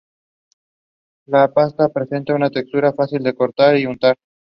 La pasta presenta una textura fácil de cortar y untar.